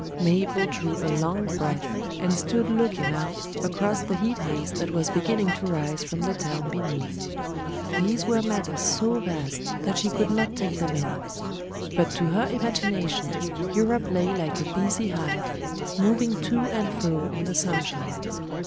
Mabel drew a long breath, and stood looking out across the heat haze that was beginning to rise from the town beneath. These were matters so vast that she could not take them in. But to her imagination Europe lay like a busy hive, moving to and fro in the sunshine.